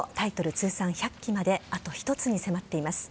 通算１００期まであと１つに迫っています。